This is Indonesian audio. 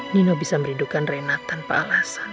nino bisa merindukan renat tanpa alasan